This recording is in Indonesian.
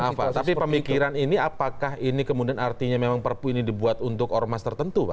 tapi pemikiran ini apakah ini kemudian artinya memang perpu ini dibuat untuk ormas tertentu pak